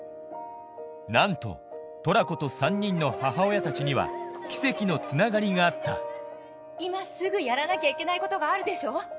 なんとトラコと３人の母親たちには奇跡のつながりがあった今すぐやらなきゃいけないことがあるでしょ？